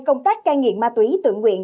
công tác cai nghiện ma túy tượng nguyện